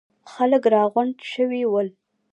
خلک راغونډ شوي ول.